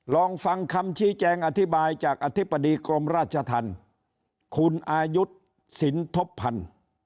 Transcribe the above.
ลองฟังคำชี้แจงอธิบายจากอธิบดีกรมราชธรรมคุณอายุสินทบพันธ์